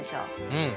うん。